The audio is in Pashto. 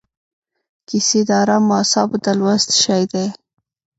کیسې د ارامو اعصابو د لوست شی دی.